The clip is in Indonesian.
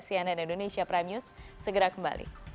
cnn indonesia prime news segera kembali